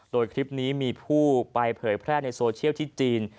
โดยคลิปนี้มีผู้ไปเผยแพร่ในโซเชียลที่จีน